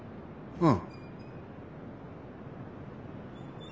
うん。